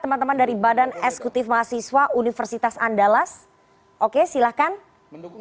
teman teman dari badan eksekutif mahasiswa universitas andalas oke silahkan mendukung